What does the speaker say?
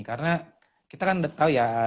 karena kita kan udah tahu ya